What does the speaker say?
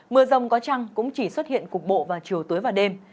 mưa rông có trăng cũng chỉ xuất hiện cục bộ vào chiều tối và đêm